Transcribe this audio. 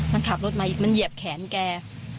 มันขับรถมาอีกมันเหยียบแขนแก